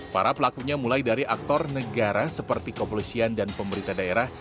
para pelakunya mulai dari aktor negara seperti kepolisian dan pemerintah daerah